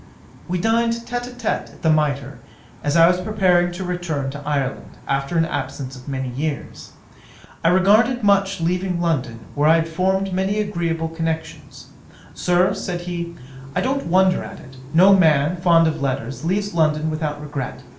'We dined tête Ã tête at the Mitre, as I was preparing to return to Ireland, after an absence of many years. I regretted much leaving London, where I had formed many agreeable connexions: "Sir, (said he,) I don't wonder at it; no man, fond of letters, leaves London without regret.